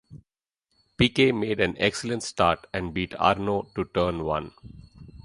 Piquet made an excellent start and beat Arnoux to Turn One.